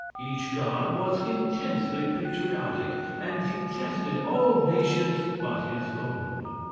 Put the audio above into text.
Each god was intensely patriotic, and detested all nations but his own.